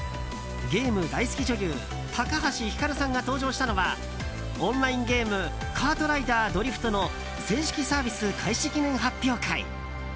ゲーム大好き女優高橋ひかるさんが登場したのはオンラインゲーム「カートライダードリフト」の正式サービス開始記念発表会。